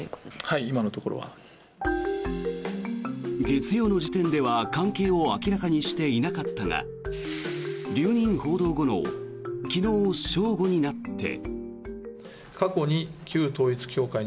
月曜の時点では関係を明らかにしていなかったが留任報道後の昨日正午になって。